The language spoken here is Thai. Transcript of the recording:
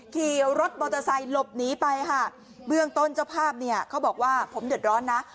ขี่รถมอเตอร์ไซค์หลบหนีไปค่ะเบื้องต้นเจ้าภาพเนี่ยเขาบอกว่าผมเดือดร้อนนะ